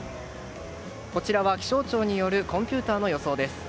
こちらは気象庁によるコンピューターの予想です。